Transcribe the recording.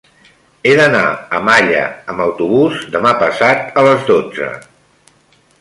He d'anar a Malla amb autobús demà passat a les dotze.